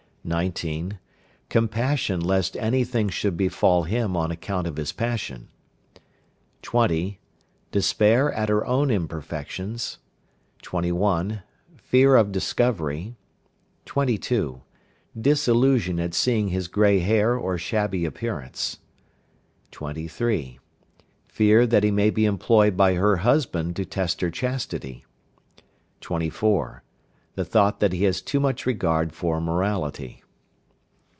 19. Compassion lest any thing should befall him on account of his passion. 20. Despair at her own imperfections. 21. Fear of discovery. 22. Disillusion at seeing his grey hair or shabby appearance. 23. Fear that he may be employed by her husband to test her chastity. 24. The thought that he has too much regard for morality.